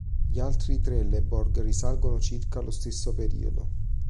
Gli altri trelleborg risalgono circa allo stesso periodo.